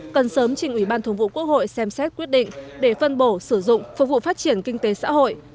cần sớm trình ủy ban thường vụ quốc hội xem xét quyết định để phân bổ sử dụng phục vụ phát triển kinh tế xã hội